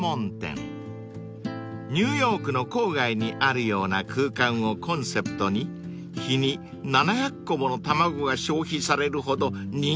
［「ニューヨークの郊外にあるような空間」をコンセプトに日に７００個もの卵が消費されるほど人気のお店］